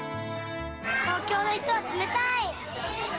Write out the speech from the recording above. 東京の人は冷たい。